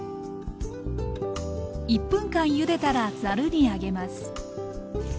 １分間ゆでたらざるに上げます。